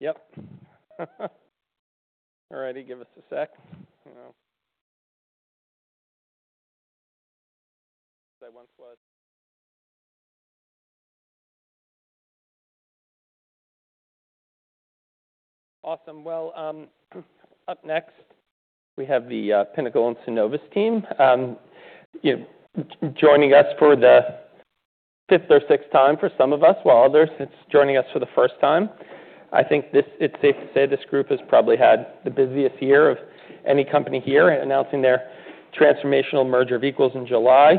Yep. All righty. Give us a sec. Awesome. Well, up next we have the Pinnacle and Synovus team, you know, joining us for the fifth or sixth time for some of us while others it's joining us for the first time. I think it's safe to say this group has probably had the busiest year of any company here, announcing their transformational merger in July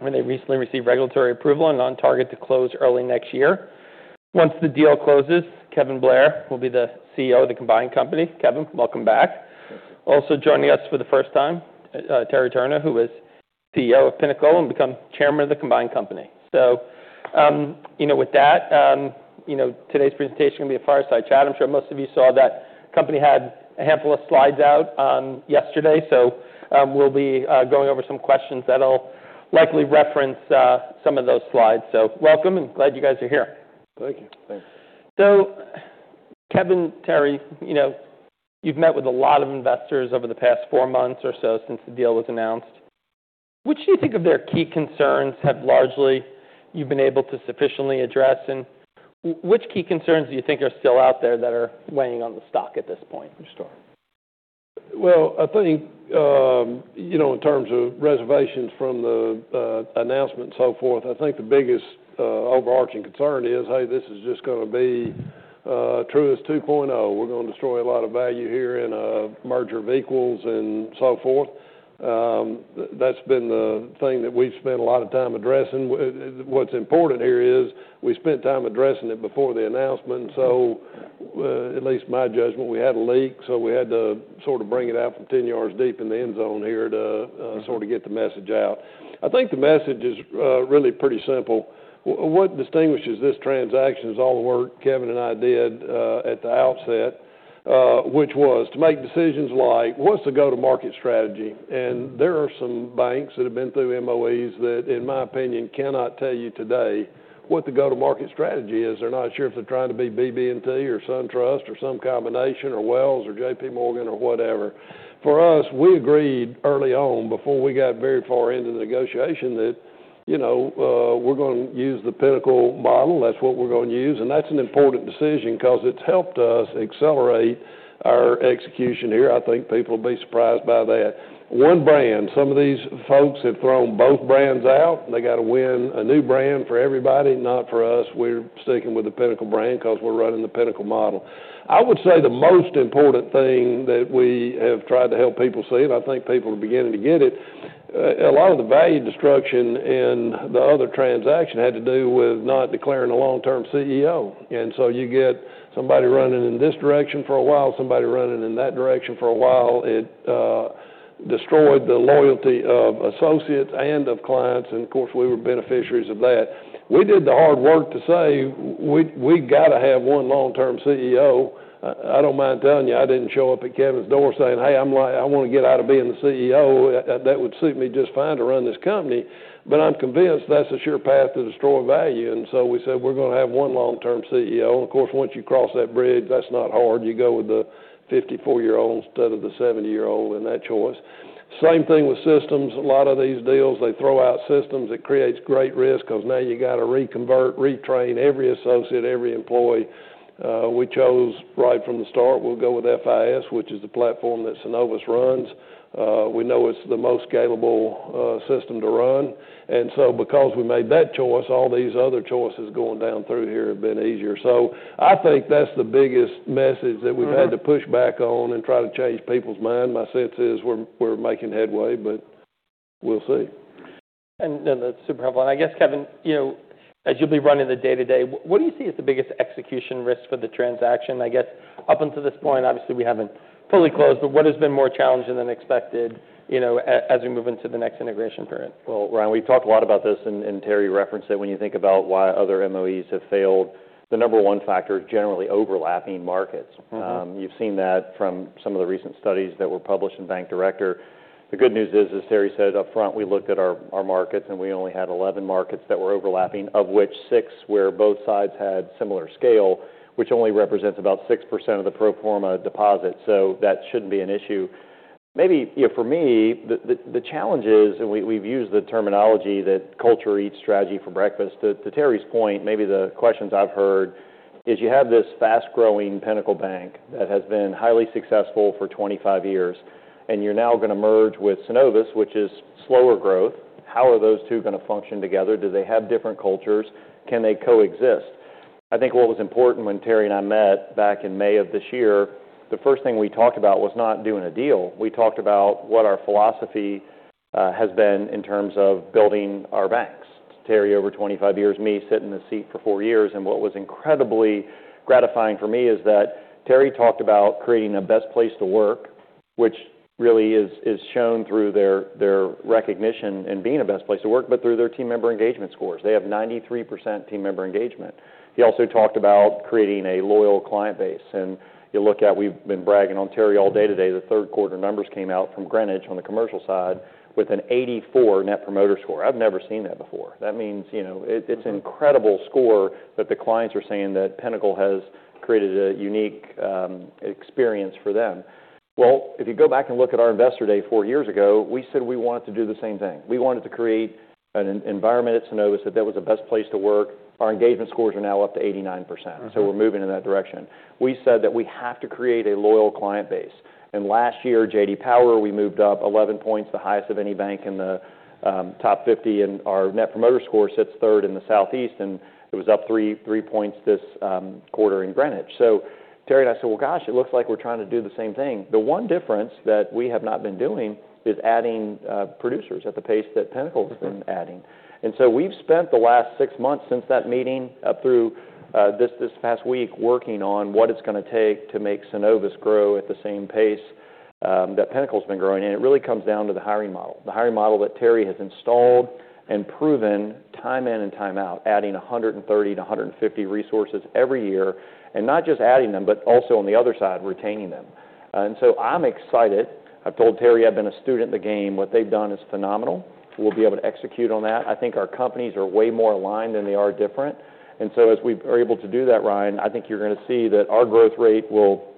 when they recently received regulatory approval and on target to close early next year. Once the deal closes, Kevin Blair will be the CEO of the combined company. Kevin, welcome back. Also joining us for the first time, Terry Turner, who is CEO of Pinnacle and become chairman of the combined company. So, you know, with that, you know, today's presentation is gonna be a fireside chat. I'm sure most of you saw that company had a handful of slides out yesterday. So, we'll be going over some questions that'll likely reference some of those slides. So welcome and glad you guys are here. Thank you. Thanks. Kevin, Terry, you know, you've met with a lot of investors over the past four months or so since the deal was announced. Which do you think, of their key concerns, have largely been able to sufficiently address? Which key concerns do you think are still out there that are weighing on the stock at this point? The story. Well, I think, you know, in terms of reservations from the announcement and so forth, I think the biggest overarching concern is, hey, this is just gonna be Truist 2.0. We're gonna destroy a lot of value here in a merger of equals and so forth. That's been the thing that we've spent a lot of time addressing. What's important here is we spent time addressing it before the announcement. So, at least in my judgment, we had a leak. So we had to sort of bring it out from 10 yards deep in the end zone here to sort of get the message out. I think the message is really pretty simple. What distinguishes this transaction is all the work Kevin and I did at the outset, which was to make decisions like what's the go-to-market strategy. There are some banks that have been through MOEs that, in my opinion, cannot tell you today what the go-to-market strategy is. They're not sure if they're trying to be BB&T or SunTrust or some combination or Wells or JP Morgan or whatever. For us, we agreed early on before we got very far into the negotiation that, you know, we're gonna use the Pinnacle model. That's what we're gonna use. And that's an important decision 'cause it's helped us accelerate our execution here. I think people will be surprised by that. One brand, some of these folks have thrown both brands out. They gotta win a new brand for everybody, not for us. We're sticking with the Pinnacle brand 'cause we're running the Pinnacle model. I would say the most important thing that we have tried to help people see, and I think people are beginning to get it, a lot of the value destruction in the other transaction had to do with not declaring a long-term CEO, and so you get somebody running in this direction for a while, somebody running in that direction for a while. It destroyed the loyalty of associates and of clients, and of course, we were beneficiaries of that. We did the hard work to say we gotta have one long-term CEO. I don't mind telling you I didn't show up at Kevin's door saying, "Hey, I'm like I wanna get out of being the CEO," that would suit me just fine to run this company, but I'm convinced that's a sure path to destroy value, and so we said we're gonna have one long-term CEO. And of course, once you cross that bridge, that's not hard. You go with the 54-year-old instead of the 70-year-old in that choice. Same thing with systems. A lot of these deals, they throw out systems. It creates great risk 'cause now you gotta reconvert, retrain every associate, every employee. We chose right from the start we'll go with FIS, which is the platform that Synovus runs. We know it's the most scalable, system to run. And so because we made that choice, all these other choices going down through here have been easier. So I think that's the biggest message that we've had to push back on and try to change people's mind. My sense is we're making headway, but we'll see. That's super helpful. I guess, Kevin, you know, as you'll be running the day-to-day, what do you see as the biggest execution risk for the transaction? I guess up until this point, obviously, we haven't fully closed, but what has been more challenging than expected, you know, as we move into the next integration period? Ryan, we've talked a lot about this, and Terry referenced it. When you think about why other MOEs have failed, the number one factor is generally overlapping markets. Mm-hmm. You've seen that from some of the recent studies that were published in Bank Director. The good news is, as Terry said upfront, we looked at our markets, and we only had 11 markets that were overlapping, of which 6 were both sides had similar scale, which only represents about 6% of the pro forma deposit. So that shouldn't be an issue. Maybe, you know, for me, the challenge is, and we've used the terminology that culture eats strategy for breakfast. To Terry's point, maybe the questions I've heard is you have this fast-growing Pinnacle bank that has been highly successful for 25 years, and you're now gonna merge with Synovus, which is slower growth. How are those two gonna function together? Do they have different cultures? Can they coexist? I think what was important when Terry and I met back in May of this year, the first thing we talked about was not doing a deal. We talked about what our philosophy has been in terms of building our banks. Terry over 25 years, me sitting in the seat for four years. And what was incredibly gratifying for me is that Terry talked about creating a best place to work, which really is shown through their recognition and being a best place to work, but through their team member engagement scores. They have 93% team member engagement. He also talked about creating a loyal client base. And you look at, we've been bragging on Terry all day today. The third quarter numbers came out from Greenwich on the commercial side with an 84 net promoter score. I've never seen that before. That means, you know, it's an incredible score that the clients are saying that Pinnacle has created a unique experience for them. Well, if you go back and look at our investor day four years ago, we said we wanted to do the same thing. We wanted to create an environment at Synovus that was the best place to work. Our engagement scores are now up to 89%. Mm-hmm. So we're moving in that direction. We said that we have to create a loyal client base. And last year, J.D. Power, we moved up 11 points, the highest of any bank in the top 50. And our net promoter score sits 3rd in the Southeast, and it was up three points this quarter in Greenwich. So Terry and I said, "Well, gosh, it looks like we're trying to do the same thing." The one difference that we have not been doing is adding producers at the pace that Pinnacle has been adding. And so we've spent the last six months since that meeting up through this past week working on what it's gonna take to make Synovus grow at the same pace that Pinnacle's been growing. And it really comes down to the hiring model, the hiring model that Terry has installed and proven time in and time out, adding 130-150 resources every year. And not just adding them, but also on the other side, retaining them. And so I'm excited. I've told Terry I've been a student in the game. What they've done is phenomenal. We'll be able to execute on that. I think our companies are way more aligned than they are different. And so as we are able to do that, Ryan, I think you're gonna see that our growth rate will,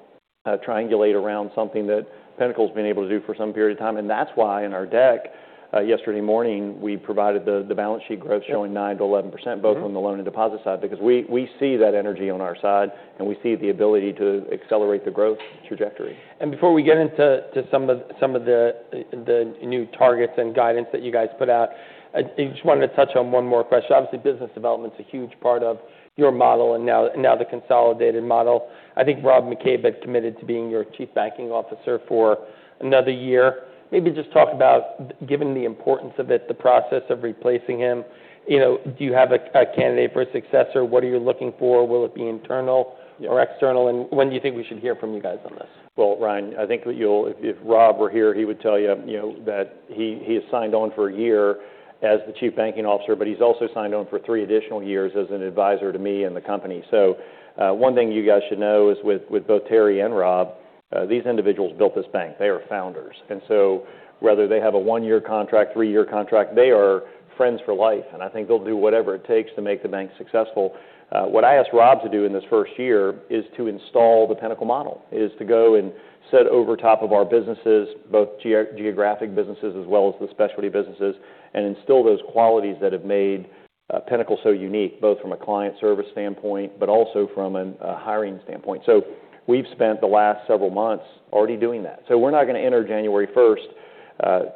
triangulate around something that Pinnacle's been able to do for some period of time. That's why in our deck yesterday morning we provided the balance sheet growth showing 9%-11% both on the loan and deposit side because we see that energy on our side, and we see the ability to accelerate the growth trajectory. Before we get into some of the new targets and guidance that you guys put out, I just wanted to touch on one more question. Obviously, business development's a huge part of your model and now the consolidated model. I think Rob McCabe had committed to being your chief banking officer for another year. Maybe just talk about, given the importance of it, the process of replacing him. You know, do you have a candidate for a successor? What are you looking for? Will it be internal? Yeah. Or external? And when do you think we should hear from you guys on this? Ryan, I think that you'll, if Rob were here, he would tell you, you know, that he has signed on for a year as the chief banking officer, but he's also signed on for three additional years as an advisor to me and the company. So, one thing you guys should know is with both Terry and Rob, these individuals built this bank. They are founders. And so whether they have a one-year contract, three-year contract, they are friends for life. And I think they'll do whatever it takes to make the bank successful. What I asked Rob to do in this first year is to install the Pinnacle model, is to go and set over top of our businesses, both geographic businesses as well as the specialty businesses, and instill those qualities that have made Pinnacle so unique, both from a client service standpoint but also from a hiring standpoint. So we've spent the last several months already doing that. So we're not gonna enter January 1st,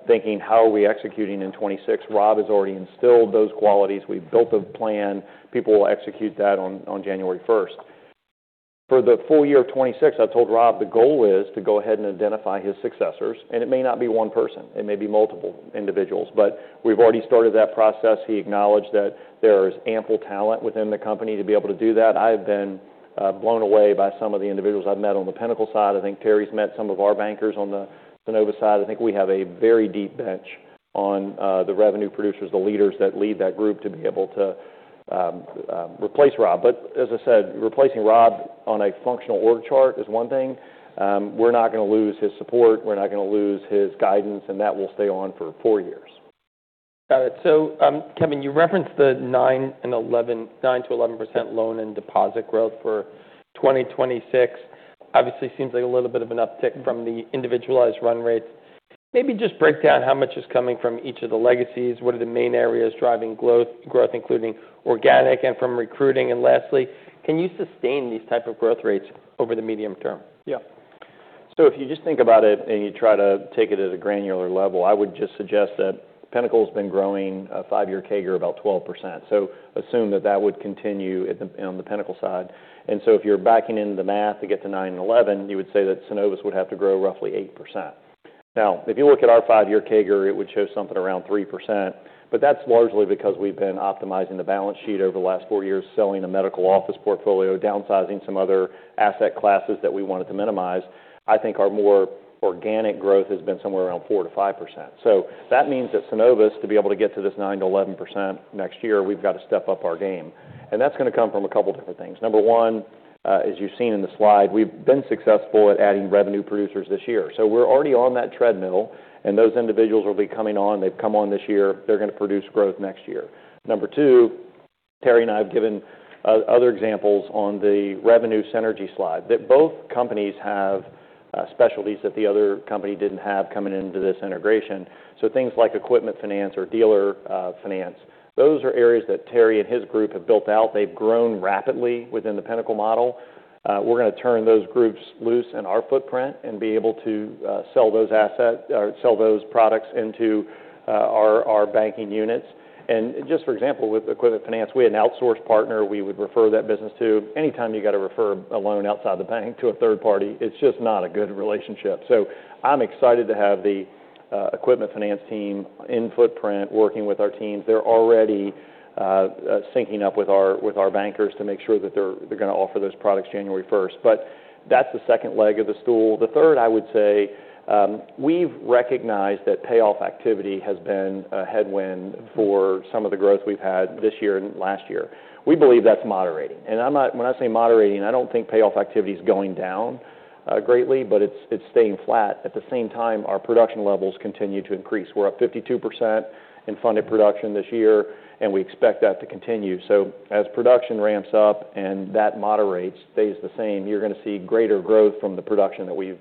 thinking, "How are we executing in 2026?" Rob has already instilled those qualities. We've built a plan. People will execute that on January 1st. For the full year of 2026, I've told Rob the goal is to go ahead and identify his successors. And it may not be one person. It may be multiple individuals. But we've already started that process. He acknowledged that there is ample talent within the company to be able to do that. I have been blown away by some of the individuals I've met on the Pinnacle side. I think Terry's met some of our bankers on the Synovus side. I think we have a very deep bench on the revenue producers, the leaders that lead that group to be able to replace Rob. But as I said, replacing Rob on a functional org chart is one thing. We're not gonna lose his support. We're not gonna lose his guidance, and that will stay on for four years. Got it. So, Kevin, you referenced the 9%-11% loan and deposit growth for 2026. Obviously, seems like a little bit of an uptick from the individualized run rates. Maybe just break down how much is coming from each of the legacies. What are the main areas driving growth, growth including organic and from recruiting? And lastly, can you sustain these type of growth rates over the medium term? Yeah. So if you just think about it and you try to take it at a granular level, I would just suggest that Pinnacle's been growing a five-year CAGR about 12%. So assume that that would continue at the on the Pinnacle side. And so if you're backing into the math to get to 9%-11%, you would say that Synovus would have to grow roughly 8%. Now, if you look at our five-year CAGR, it would show something around 3%. But that's largely because we've been optimizing the balance sheet over the last four years, selling a medical office portfolio, downsizing some other asset classes that we wanted to minimize. I think our more organic growth has been somewhere around 4% to 5%. So that means that Synovus, to be able to get to this 9%-11% next year, we've gotta step up our game. That's gonna come from a couple different things. Number one, as you've seen in the slide, we've been successful at adding revenue producers this year. We're already on that treadmill, and those individuals are coming on. They've come on this year. They're gonna produce growth next year. Number two, Terry and I have given other examples on the revenue synergy slide that both companies have specialties that the other company didn't have coming into this integration. Things like equipment finance or dealer finance, those are areas that Terry and his group have built out. They've grown rapidly within the Pinnacle model. We're gonna turn those groups loose in our footprint and be able to sell those assets or sell those products into our banking units. Just for example, with equipment finance, we had an outsourced partner we would refer that business to. Anytime you gotta refer a loan outside the bank to a third party, it's just not a good relationship. So I'm excited to have the equipment finance team in footprint working with our teams. They're already syncing up with our bankers to make sure that they're gonna offer those products January 1st. But that's the second leg of the stool. The third, I would say, we've recognized that payoff activity has been a headwind for some of the growth we've had this year and last year. We believe that's moderating, and I'm not when I say moderating, I don't think payoff activity's going down greatly, but it's staying flat. At the same time, our production levels continue to increase. We're up 52% in funded production this year, and we expect that to continue. So as production ramps up and that moderates, stays the same, you're gonna see greater growth from the production that we've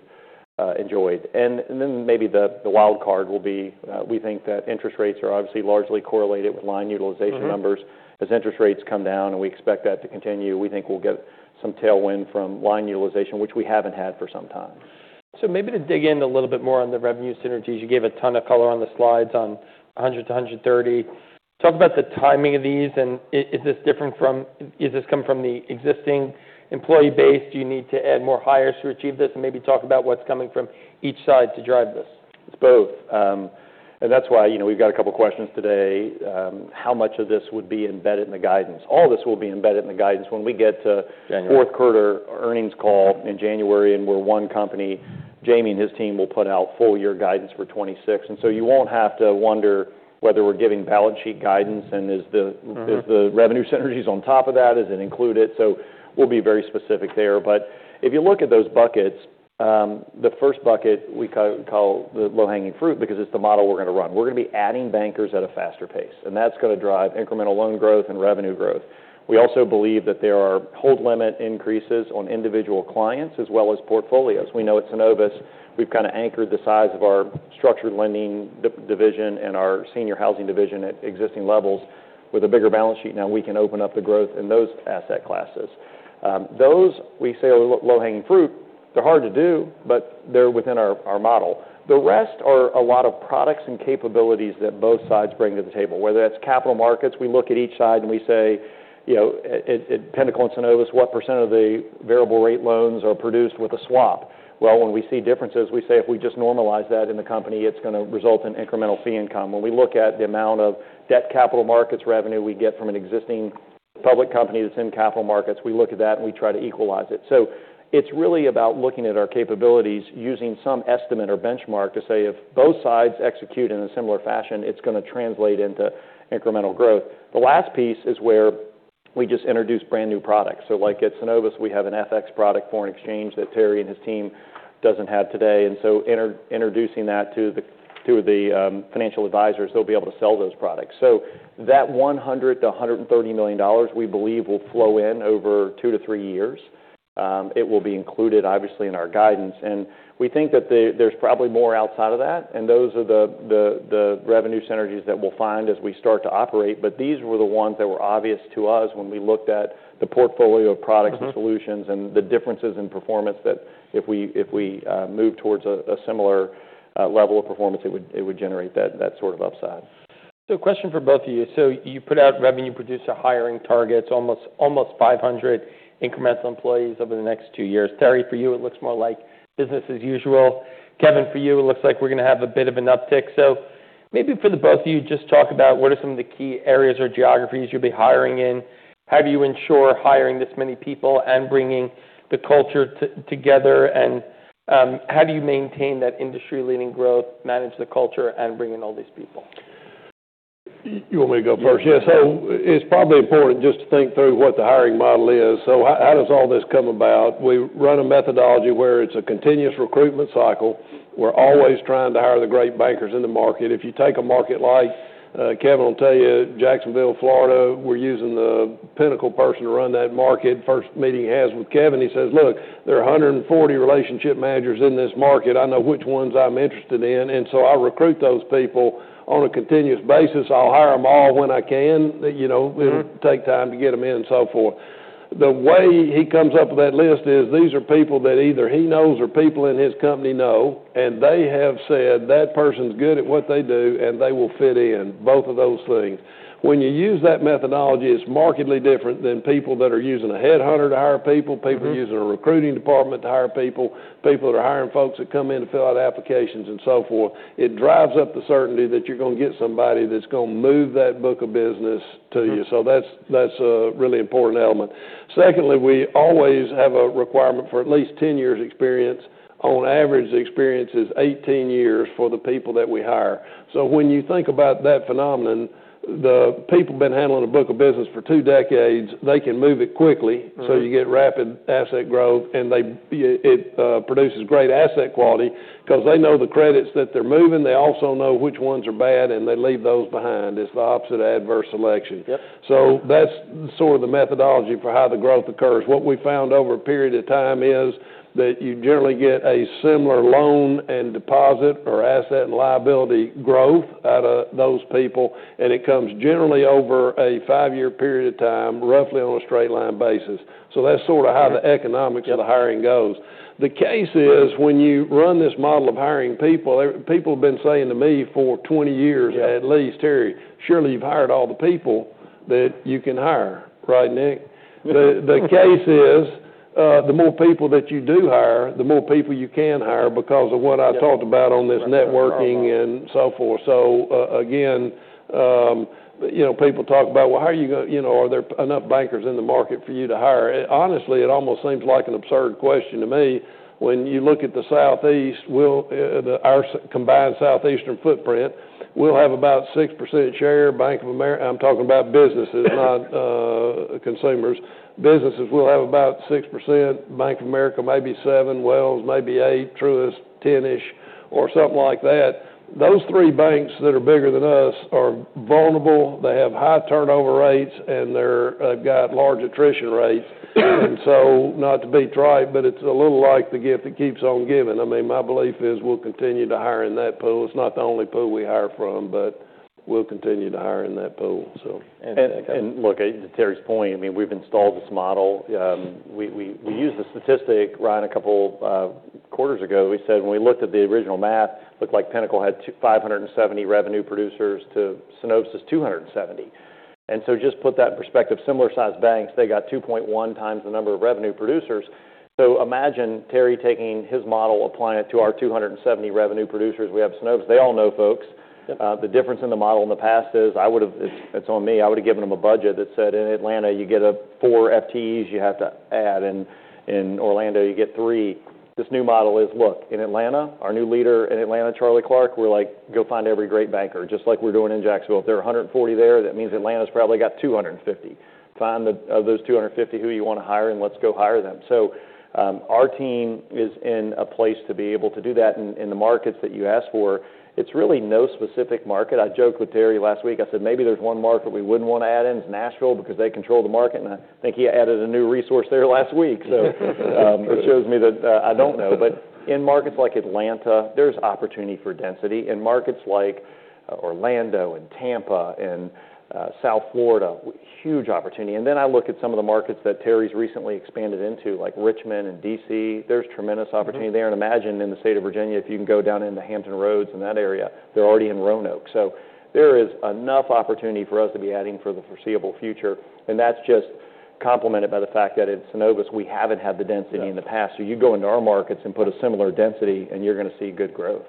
enjoyed. And then maybe the wild card will be, we think that interest rates are obviously largely correlated with line utilization numbers. Mm-hmm. As interest rates come down, and we expect that to continue, we think we'll get some tailwind from line utilization, which we haven't had for some time. So maybe to dig in a little bit more on the revenue synergies, you gave a ton of color on the slides on 100-130. Talk about the timing of these. And is this different from is this coming from the existing employee base? Do you need to add more hires to achieve this? And maybe talk about what's coming from each side to drive this. It's both, and that's why, you know, we've got a couple questions today. How much of this would be embedded in the guidance? All this will be embedded in the guidance when we get to. January. Fourth quarter earnings call in January, and we're one company. Jamie and his team will put out full-year guidance for 2026. And so you won't have to wonder whether we're giving balance sheet guidance and is the. Mm-hmm. Is the revenue synergies on top of that? Does it include it? So we'll be very specific there. But if you look at those buckets, the first bucket we call the low-hanging fruit because it's the model we're gonna run. We're gonna be adding bankers at a faster pace, and that's gonna drive incremental loan growth and revenue growth. We also believe that there are hold limit increases on individual clients as well as portfolios. We know at Synovus, we've kinda anchored the size of our structured lending division and our senior housing division at existing levels with a bigger balance sheet. Now we can open up the growth in those asset classes. Those we say are low-hanging fruit. They're hard to do, but they're within our model. The rest are a lot of products and capabilities that both sides bring to the table, whether that's capital markets. We look at each side and we say, you know, at Pinnacle and Synovus, what % of the variable-rate loans are produced with a swap? When we see differences, we say if we just normalize that in the company, it's gonna result in incremental fee income. When we look at the amount of debt capital markets revenue we get from an existing public company that's in capital markets, we look at that and we try to equalize it. It's really about looking at our capabilities, using some estimate or benchmark to say if both sides execute in a similar fashion, it's gonna translate into incremental growth. The last piece is where we just introduce brand new products. Like at Synovus, we have an FX product foreign exchange that Terry and his team doesn't have today. And so introducing that to the financial advisors, they'll be able to sell those products. So that $100-$130 million we believe will flow in over 2-3 years. It will be included, obviously, in our guidance. And we think that there's probably more outside of that. And those are the revenue synergies that we'll find as we start to operate. But these were the ones that were obvious to us when we looked at the portfolio of products and solutions and the differences in performance that if we move towards a similar level of performance, it would generate that sort of upside. So a question for both of you. You put out revenue producer hiring targets, almost 500 incremental employees over the next two years. Terry, for you, it looks more like business as usual. Kevin, for you, it looks like we're gonna have a bit of an uptick. So maybe for the both of you, just talk about what are some of the key areas or geographies you'll be hiring in, how do you ensure hiring this many people and bringing the culture together, and how do you maintain that industry-leading growth, manage the culture, and bring in all these people? You want me to go first? Sure. Yeah. So it's probably important just to think through what the hiring model is. So how does all this come about? We run a methodology where it's a continuous recruitment cycle. We're always trying to hire the great bankers in the market. If you take a market like, Kevin, I'll tell you, Jacksonville, Florida, we're using the Pinnacle person to run that market. First meeting he has with Kevin, he says, "Look, there are 140 relationship managers in this market. I know which ones I'm interested in." And so I recruit those people on a continuous basis. I'll hire them all when I can, you know, and take time to get them in and so forth. The way he comes up with that list is these are people that either he knows or people in his company know, and they have said that person's good at what they do, and they will fit in both of those things. When you use that methodology, it's markedly different than people that are using a headhunter to hire people, people using a recruiting department to hire people, people that are hiring folks that come in to fill out applications and so forth. It drives up the certainty that you're gonna get somebody that's gonna move that book of business to you. So that's, that's a really important element. Secondly, we always have a requirement for at least 10 years experience. On average, the experience is 18 years for the people that we hire. So when you think about that phenomenon, the people been handling a book of business for two decades, they can move it quickly. Mm-hmm. So you get rapid asset growth, and produces great asset quality 'cause they know the credits that they're moving. They also know which ones are bad, and they leave those behind. It's the opposite of adverse selection. Yep. So that's sort of the methodology for how the growth occurs. What we found over a period of time is that you generally get a similar loan and deposit or asset and liability growth out of those people, and it comes generally over a 5-year period of time, roughly on a straight-line basis. So that's sort of how the economics of the hiring goes. Yeah. The case is when you run this model of hiring people, every people have been saying to me for 20 years. Yeah. At least, "Terry, surely you've hired all the people that you can hire, right, Nick? Mm-hmm. The case is, the more people that you do hire, the more people you can hire because of what I talked about on this networking and so forth. So, again, you know, people talk about, "Well, how are you gonna you know, are there enough bankers in the market for you to hire?" And honestly, it almost seems like an absurd question to me. When you look at the Southeast, well, our combined Southeastern footprint, we'll have about 6% share. Bank of America, I'm talking about businesses, not consumers. Businesses, we'll have about 6%. Bank of America, maybe 7%, Wells Fargo maybe 8%, Truist 10-ish%, or something like that. Those three banks that are bigger than us are vulnerable. They have high turnover rates, and they've got large attrition rates. So not to be trite, but it's a little like the gift that keeps on giving. I mean, my belief is we'll continue to hire in that pool. It's not the only pool we hire from, but we'll continue to hire in that pool, so. And look, to Terry's point, I mean, we've installed this model. We used a statistic, Ryan, a couple quarters ago. We said when we looked at the original math, it looked like Pinnacle had 2,570 revenue producers to Synovus' 270. And so just put that in perspective, similar-sized banks, they got 2.1 times the number of revenue producers. Imagine Terry taking his model, applying it to our 270 revenue producers. We have Synovus. They all know folks. Yep. The difference in the model in the past is, it's on me. I would've given them a budget that said, "In Atlanta, you get four FTEs. You have to add. And in Orlando, you get three." This new model is, "Look, in Atlanta, our new leader in Atlanta, Charlie Clark, we're like, 'Go find every great banker,' just like we're doing in Jacksonville. If there are 140 there, that means Atlanta's probably got 250. Find the best of those 250 who you wanna hire, and let's go hire them." Our team is in a place to be able to do that. In the markets that you asked for, it's really no specific market. I joked with Terry last week. I said, "Maybe there's one market we wouldn't wanna add in. It's Nashville because they control the market," and I think he added a new resource there last week, so it shows me that. I don't know, but in markets like Atlanta, there's opportunity for density. In markets like Orlando and Tampa and South Florida, huge opportunity, and then I look at some of the markets that Terry's recently expanded into, like Richmond and D.C. There's tremendous opportunity there, and imagine in the state of Virginia if you can go down into Hampton Roads and that area. They're already in Roanoke, so there is enough opportunity for us to be adding for the foreseeable future, and that's just complemented by the fact that in Synovus we haven't had the density in the past, so you go into our markets and put a similar density, and you're gonna see good growth.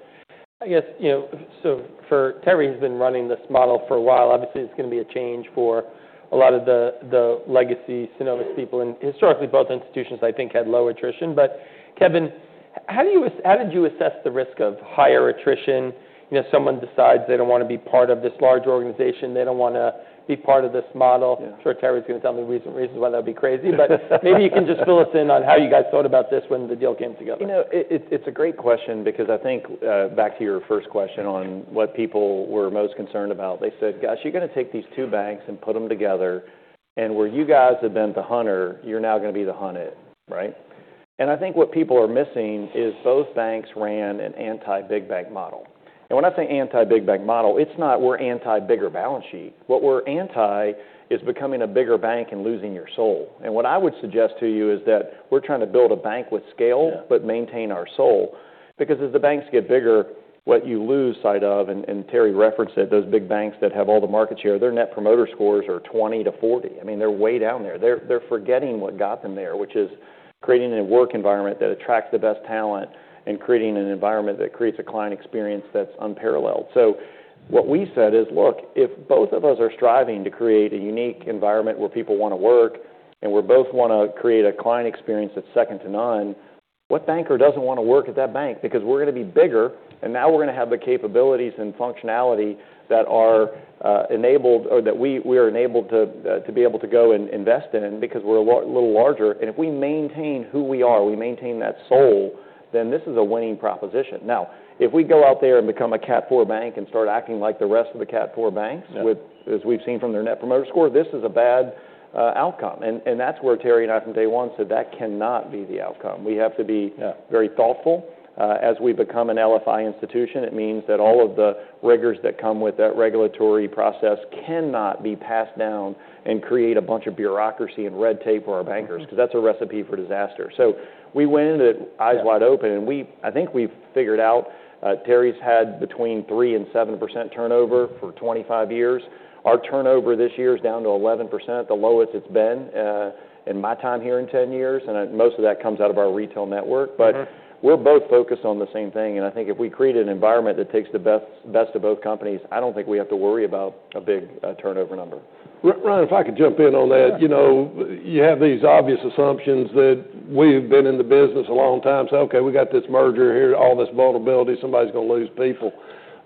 I guess, you know, so for Terry, he's been running this model for a while. Obviously, it's gonna be a change for a lot of the legacy Synovus people. And historically, both institutions, I think, had low attrition. But Kevin, how did you assess the risk of higher attrition? You know, someone decides they don't wanna be part of this large organization. They don't wanna be part of this model. Yeah. I'm sure Terry's gonna tell me reasons why that'd be crazy. But maybe you can just fill us in on how you guys thought about this when the deal came together. You know, it's a great question because I think, back to your first question on what people were most concerned about. They said, "Gosh, you're gonna take these two banks and put them together. And where you guys have been the hunter, you're now gonna be the hunted," right? And I think what people are missing is both banks ran an anti-big bank model. And when I say anti-big bank model, it's not we're anti-bigger balance sheet. What we're anti is becoming a bigger bank and losing your soul. And what I would suggest to you is that we're trying to build a bank with scale. Yeah. But maintain our soul because as the banks get bigger, what you lose sight of, and Terry referenced it, those big banks that have all the market share, their net promoter scores are 20-40. I mean, they're way down there. They're forgetting what got them there, which is creating a work environment that attracts the best talent and creating an environment that creates a client experience that's unparalleled. So what we said is, "Look, if both of us are striving to create a unique environment where people wanna work and we both wanna create a client experience that's second to none, what banker doesn't wanna work at that bank? Because we're gonna be bigger, and now we're gonna have the capabilities and functionality that are enabled or that we are enabled to be able to go and invest in because we're a little larger. And if we maintain who we are, we maintain that soul, then this is a winning proposition. Now, if we go out there and become a Category IV bank and start acting like the rest of the Category IV banks. Yeah. With, as we've seen from their Net Promoter Score, this is a bad outcome. That's where Terry and I from day one said that cannot be the outcome. We have to be. Yeah. Very thoughtful. As we become an LFI institution, it means that all of the rigors that come with that regulatory process cannot be passed down and create a bunch of bureaucracy and red tape for our bankers. Yeah. 'Cause that's a recipe for disaster. So we went in with eyes wide open, and I think we've figured out. Terry's had between 3%-7% turnover for 25 years. Our turnover this year's down to 11%, the lowest it's been in my time here in 10 years. And most of that comes out of our retail network. But. Mm-hmm. We're both focused on the same thing. And I think if we create an environment that takes the best, best of both companies, I don't think we have to worry about a big turnover number. Right. If I could jump in on that. Yeah. You know, you have these obvious assumptions that we've been in the business a long time, say, "Okay, we got this merger here. All this vulnerability. Somebody's gonna lose people,"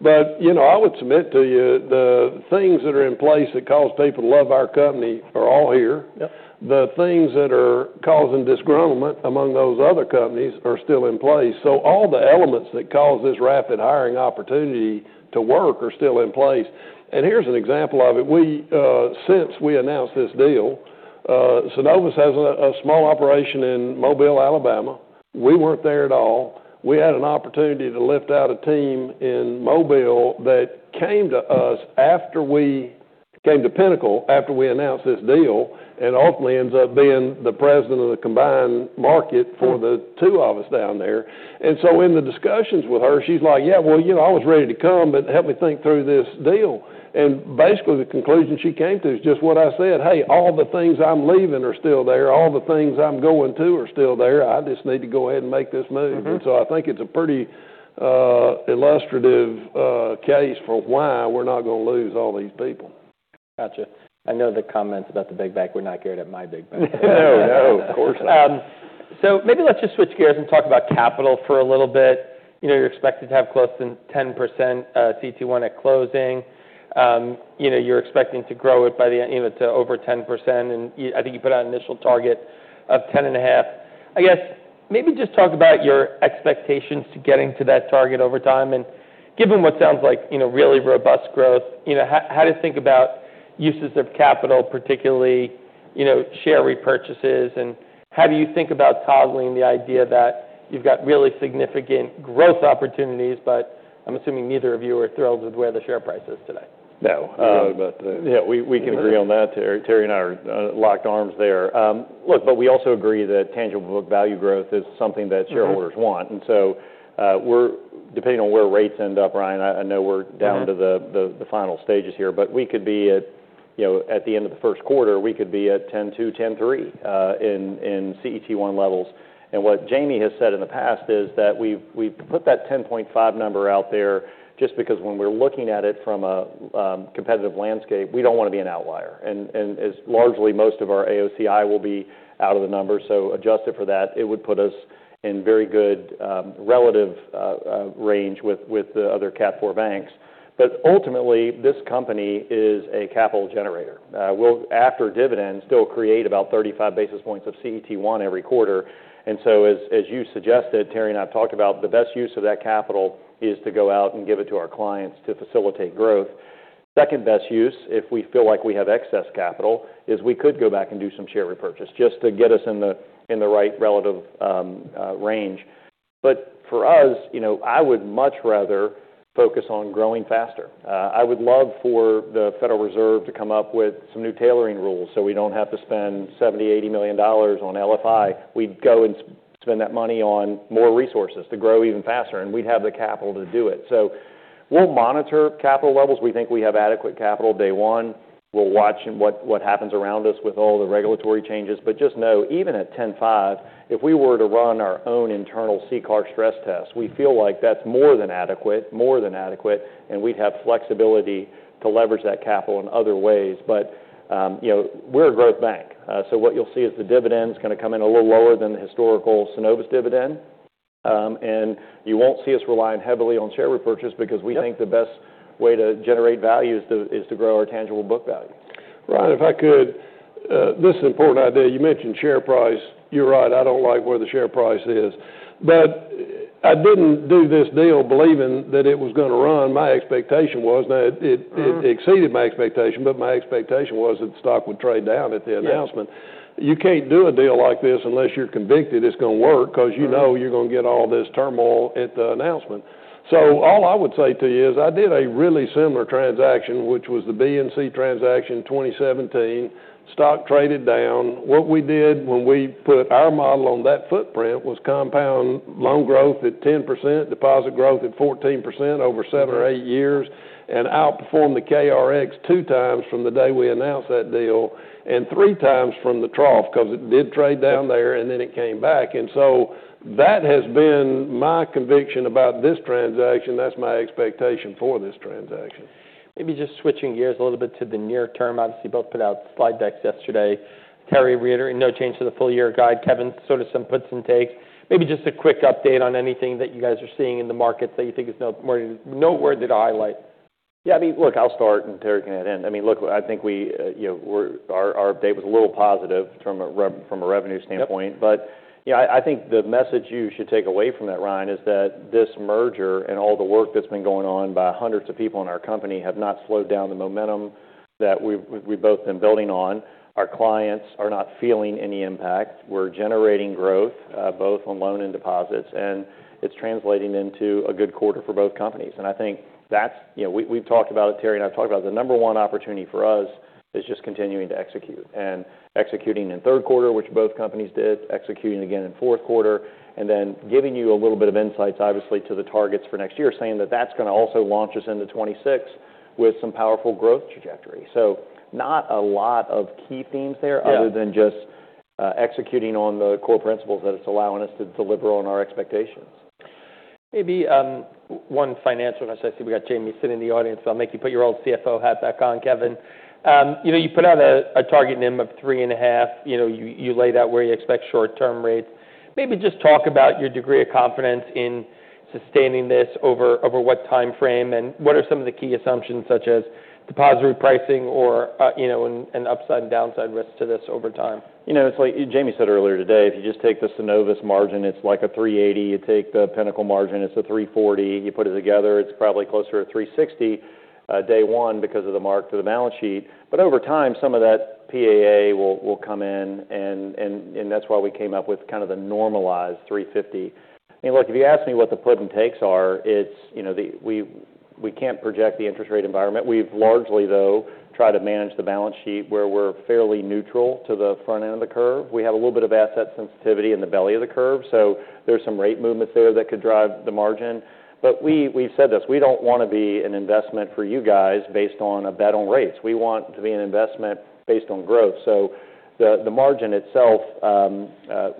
but, you know, I would submit to you, the things that are in place that cause people to love our company are all here. Yep. The things that are causing disgruntlement among those other companies are still in place. So all the elements that cause this rapid hiring opportunity to work are still in place. And here's an example of it. We since we announced this deal, Synovus has a small operation in Mobile, Alabama. We weren't there at all. We had an opportunity to lift out a team in Mobile that came to us after we came to Pinnacle after we announced this deal and ultimately ends up being the president of the combined market for the two of us down there. And so in the discussions with her, she's like, "Yeah, well, you know, I was ready to come, but help me think through this deal." And basically, the conclusion she came to is just what I said. "Hey, all the things I'm leaving are still there. All the things I'm going to are still there. I just need to go ahead and make this move. Mm-hmm. And so I think it's a pretty illustrative case for why we're not gonna lose all these people. Gotcha. I know the comments about the big bank. We're not getting it, my big bank. No, no. Of course not. So maybe let's just switch gears and talk about capital for a little bit. You know, you're expected to have close to 10% CET1 at closing. You know, you're expecting to grow it by the end, you know, to over 10%. And you, I think you put out an initial target of 10.5%. I guess maybe just talk about your expectations to getting to that target over time. And given what sounds like, you know, really robust growth, you know, how to think about uses of capital, particularly, you know, share repurchases. And how do you think about toggling the idea that you've got really significant growth opportunities, but I'm assuming neither of you are thrilled with where the share price is today? No. I'm sorry about that. Yeah. We can agree on that. Terry and I are locked arms there. Look, but we also agree that tangible book value growth is something that shareholders want. Yeah. We're depending on where rates end up, Ryan. I know we're down to the final stages here, but we could be at, you know, at the end of the first quarter at 10.2%-10.3% CET1 levels. What Jamie has said in the past is that we've put that 10.5% number out there just because when we're looking at it from a competitive landscape, we don't wanna be an outlier. And as largely most of our AOCI will be out of the numbers. Adjusted for that, it would put us in very good relative range with the other Cat 4 banks. Ultimately, this company is a capital generator. We'll, after dividends, still create about 35 basis points of CET1 every quarter. And so as you suggested, Terry and I have talked about, the best use of that capital is to go out and give it to our clients to facilitate growth. Second best use, if we feel like we have excess capital, is we could go back and do some share repurchase just to get us in the right relative range. But for us, you know, I would much rather focus on growing faster. I would love for the Federal Reserve to come up with some new tailoring rules so we don't have to spend $70 million-$80 million on LFI. We'd go and spend that money on more resources to grow even faster, and we'd have the capital to do it. So we'll monitor capital levels. We think we have adequate capital day one. We'll watch what happens around us with all the regulatory changes. But just know, even at 10.5, if we were to run our own internal CCAR stress test, we feel like that's more than adequate, more than adequate, and we'd have flexibility to leverage that capital in other ways, but you know, we're a growth bank. So what you'll see is the dividend's gonna come in a little lower than the historical Synovus dividend, and you won't see us relying heavily on share repurchase because we think the best. Yeah. Way to generate value is to grow our tangible book value. Ryan, if I could, this is an important idea. You mentioned share price. You're right. I don't like where the share price is. But I didn't do this deal believing that it was gonna run. My expectation was now it. Yeah. Exceeded my expectation, but my expectation was that the stock would trade down at the announcement. Yeah. You can't do a deal like this unless you're convicted it's gonna work 'cause you know. Yeah. You're gonna get all this turmoil at the announcement. So all I would say to you is I did a really similar transaction, which was the BNC transaction 2017. Stock traded down. What we did when we put our model on that footprint was compound loan growth at 10%, deposit growth at 14% over seven or eight years, and outperformed the KRX two times from the day we announced that deal and three times from the trough 'cause it did trade down there and then it came back. And so that has been my conviction about this transaction. That's my expectation for this transaction. Maybe just switching gears a little bit to the near term. Obviously, both put out slide decks yesterday. Terry reiterated no change to the full-year guide. Kevin sort of some puts and takes. Maybe just a quick update on anything that you guys are seeing in the markets that you think is noteworthy to highlight. Yeah. I mean, look, I'll start, and Terry can add in. I think we, you know, our update was a little positive from a revenue standpoint. Yeah. But, you know, I, I think the message you should take away from that, Ryan, is that this merger and all the work that's been going on by hundreds of people in our company have not slowed down the momentum that we've, we've both been building on. Our clients are not feeling any impact. We're generating growth, both on loan and deposits, and it's translating into a good quarter for both companies, and I think that's, you know, we, we've talked about it, Terry and I've talked about it. The number one opportunity for us is just continuing to execute and executing in third quarter, which both companies did, executing again in fourth quarter, and then giving you a little bit of insights, obviously, to the targets for next year, saying that that's gonna also launch us into 2026 with some powerful growth trajectory. Not a lot of key themes there. Yeah. Other than just, executing on the core principles that it's allowing us to deliver on our expectations. Maybe one financial necessity. We got Jamie sitting in the audience. I'll make you put your old CFO hat back on, Kevin. You know, you put out a target NIM of three and a half. You know, you laid out where you expect short-term rates. Maybe just talk about your degree of confidence in sustaining this over what time frame, and what are some of the key assumptions such as depository pricing or, you know, and upside and downside risks to this over time? You know, it's like Jamie said earlier today, if you just take the Synovus margin, it's like a 380. You take the Pinnacle margin, it's a 340. You put it together, it's probably closer to 360, day one because of the mark to the balance sheet. But over time, some of that PAA will come in, and that's why we came up with kind of the normalized 350. I mean, look, if you ask me what the puts and takes are, it's, you know, we can't project the interest rate environment. We've largely, though, tried to manage the balance sheet where we're fairly neutral to the front end of the curve. We have a little bit of asset sensitivity in the belly of the curve. So there's some rate movements there that could drive the margin. But we've said this. We don't wanna be an investment for you guys based on a bet on rates. We want to be an investment based on growth. So the margin itself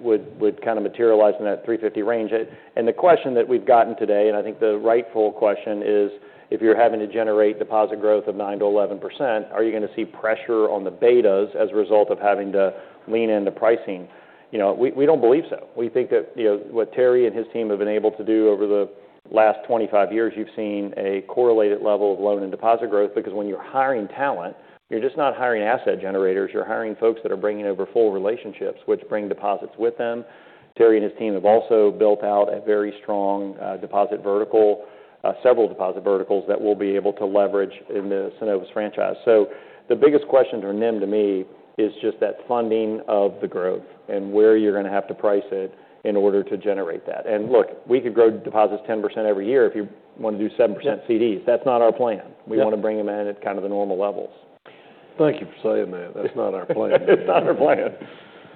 would kinda materialize in that 350 range. And the question that we've gotten today, and I think the rightful question is, if you're having to generate deposit growth of 9%-11%, are you gonna see pressure on the betas as a result of having to lean into pricing? You know, we don't believe so. We think that, you know, what Terry and his team have been able to do over the last 25 years, you've seen a correlated level of loan and deposit growth because when you're hiring talent, you're just not hiring asset generators. You're hiring folks that are bringing over full relationships, which bring deposits with them. Terry and his team have also built out a very strong deposit vertical, several deposit verticals that we'll be able to leverage in the Synovus franchise. So the biggest question or NIM to me is just that funding of the growth and where you're gonna have to price it in order to generate that. And look, we could grow deposits 10% every year if you wanna do 7% CDs. That's not our plan. Yeah. We wanna bring them in at kind of the normal levels. Thank you for saying that. That's not our plan. That's not our plan.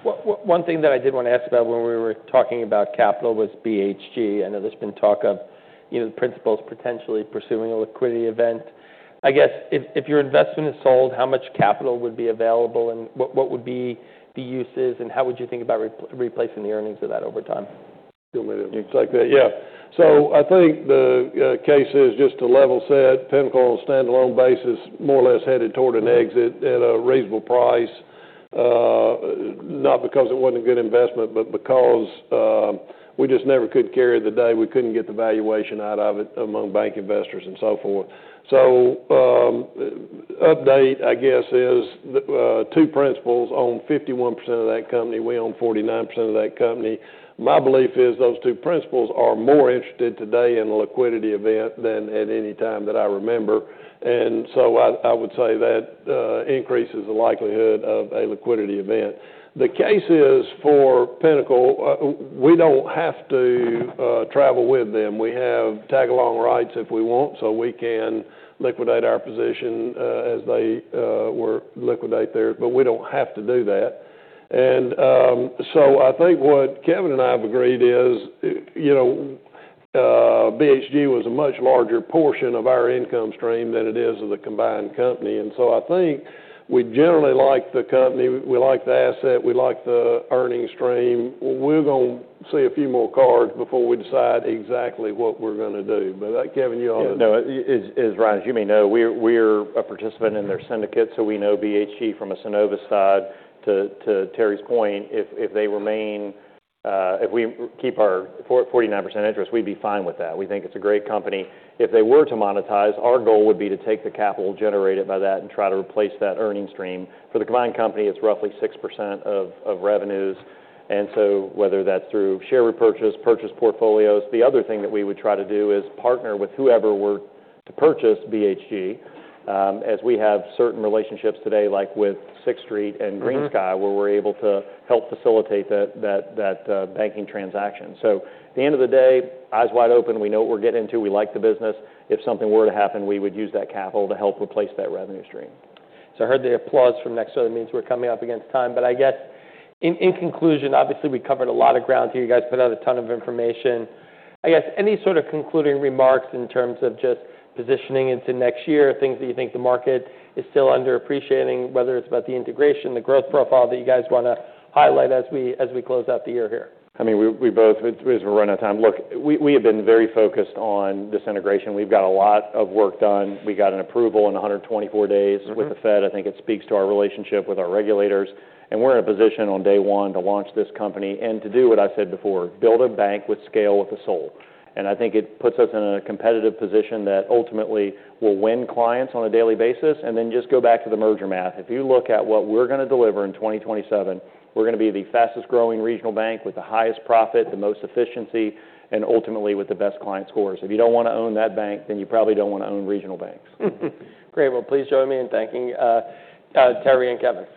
One thing that I did wanna ask about when we were talking about capital was BHG. I know there's been talk of, you know, the principals potentially pursuing a liquidity event. I guess if your investment is sold, how much capital would be available, and what would be the uses, and how would you think about replacing the earnings of that over time? Still in. You'd like that? Yeah. So I think the case is just to level set Pinnacle on a standalone basis, more or less headed toward an exit at a reasonable price, not because it wasn't a good investment, but because we just never could carry the day. We couldn't get the valuation out of it among bank investors and so forth. So update, I guess, is the two principals own 51% of that company. We own 49% of that company. My belief is those two principals are more interested today in a liquidity event than at any time that I remember. And so I would say that increases the likelihood of a liquidity event. The case is for Pinnacle, we don't have to travel with them. We have tag-along rights if we want so we can liquidate our position, as they were to liquidate theirs, but we don't have to do that, and so I think what Kevin and I have agreed is, you know, BHG was a much larger portion of our income stream than it is of the combined company, and so I think we generally like the company. We like the asset. We like the earnings stream. We're gonna see a few more quarters before we decide exactly what we're gonna do, but Kevin, you ought to. Yeah. No, is Ryan, as you may know, we're a participant in their syndicate, so we know BHG from a Synovus side to Terry's point, if they remain, if we keep our 49% interest, we'd be fine with that. We think it's a great company. If they were to monetize, our goal would be to take the capital, generate it by that, and try to replace that earnings stream. For the combined company, it's roughly 6% of revenues. And so whether that's through share repurchase, purchase portfolios, the other thing that we would try to do is partner with whoever were to purchase BHG, as we have certain relationships today, like with Sixth Street and GreenSky, where we're able to help facilitate that banking transaction. So at the end of the day, eyes wide open. We know what we're getting into. We like the business. If something were to happen, we would use that capital to help replace that revenue stream. So I heard the applause from next door. That means we're coming up against time. But I guess in conclusion, obviously, we covered a lot of ground here. You guys put out a ton of information. I guess any sort of concluding remarks in terms of just positioning into next year, things that you think the market is still underappreciating, whether it's about the integration, the growth profile that you guys wanna highlight as we close out the year here? I mean, we both, we're running out of time. Look, we have been very focused on this integration. We've got a lot of work done. We got an approval in 124 days. Mm-hmm. With the Fed, I think it speaks to our relationship with our regulators. And we're in a position on day one to launch this company and to do what I said before, build a bank with scale with a soul. And I think it puts us in a competitive position that ultimately will win clients on a daily basis, and then just go back to the merger math. If you look at what we're gonna deliver in 2027, we're gonna be the fastest-growing regional bank with the highest profit, the most efficiency, and ultimately with the best client scores. If you don't wanna own that bank, then you probably don't wanna own regional banks. Great. Well, please join me in thanking Terry and Kevin.